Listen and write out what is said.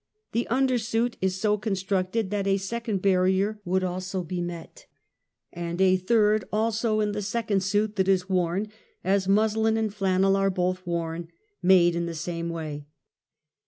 The undersuit is so constructed that a second bar rier would also be met, and a third also in the second suit that is worn, as muslin and flannel are both worn, made in the same way.